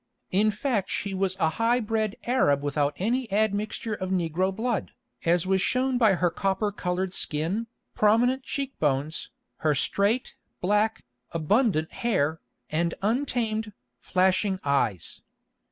In fact she was a high bred Arab without any admixture of negro blood, as was shown by her copper coloured skin, prominent cheek bones, her straight, black, abundant hair, and untamed, flashing eyes.